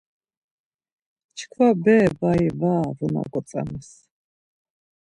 Çkva bere bari var avu naǩo tzanas.